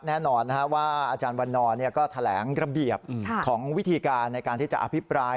แน่นอนว่าอาจารย์วันนอนก็แถลงระเบียบของวิธีการในการที่จะอภิปราย